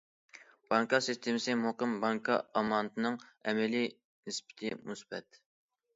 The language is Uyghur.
بانكا سىستېمىسى مۇقىم، بانكا ئامانىتىنىڭ ئەمەلىي نىسبىتى مۇسبەت.